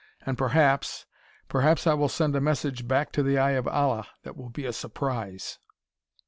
And perhaps, perhaps I will send a message back to the Eye of Allah that will be a surprise.